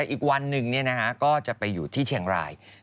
อีกวันหนึ่งก็จะไปอยู่ที่เชียงราย